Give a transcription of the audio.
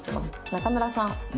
中村さん。